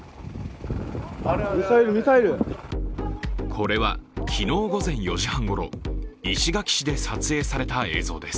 これは昨日午前４時半ごろ石垣市で撮影された映像です。